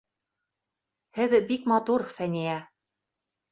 Һеҙ бик матур, Фәниә.